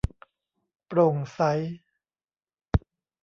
โปร่งใส